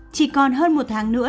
chỉ còn hơn một tháng nữa là đêm